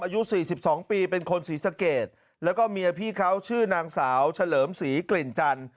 อายุ๔๒ปีเป็นคนศรีสะเกดแล้วก็เมียพี่เขาชื่อนางสาวเฉลิมศรีกลิ่นจันทร์